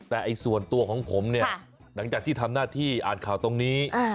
แต่ส่วนตัวของผมเนี่ยหลังจากที่ทำหน้าที่อ่านข่าวตรงนี้